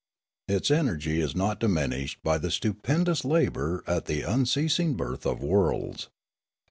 Its energy is not diminished by the stupendous labour at the unceasing birth of worlds.